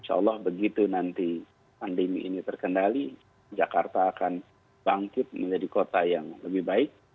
insya allah begitu nanti pandemi ini terkendali jakarta akan bangkit menjadi kota yang lebih baik